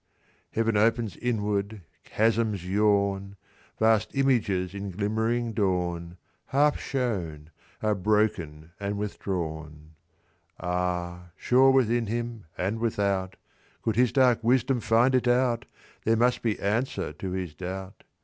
"Heaven opens inward, chasms yawn. Vast images in glimmering dawn, Half shown, are broken and withdrawn. "Ah! sure within him and without, Could his dark wisdom find it out, There must be answer to his doubt.